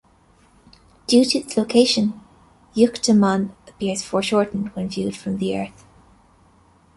Due to its location, Euctemon appears foreshortened when viewed from the Earth.